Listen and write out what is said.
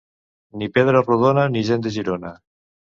Ni pedra rodona, ni gent de Girona.